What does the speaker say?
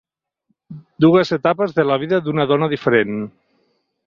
Dues etapes de la vida d’una dona ‘diferent’.